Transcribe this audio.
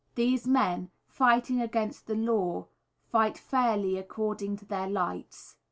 These men, fighting against the law, fight fairly according to their lights.